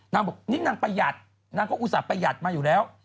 บอกนี่นางประหยัดนางก็อุตส่าหประหยัดมาอยู่แล้ว